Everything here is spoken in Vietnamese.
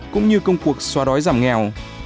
cũng như công cuộc xóa đói giảm nghèo